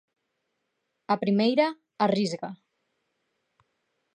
A primeira, a Risga.